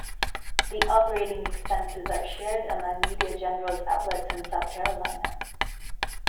The operating expenses are shared among Media General's outlets in South Carolina.